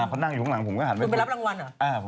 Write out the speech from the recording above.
พอนั่งอยู่ข้างหลังผมก็หันไปรับรางวัล